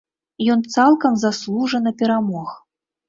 Ён цалкам заслужана перамог.